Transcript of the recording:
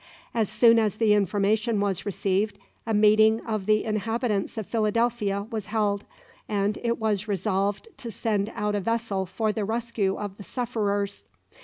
As soon as the information was received, a meeting of the inhabitants of Philadelphia was held, and it was resolved to send out a vessel for the rescue of the sufferers.